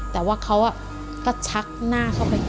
แต่ว่าเขาก็ชักหน้าเข้าไป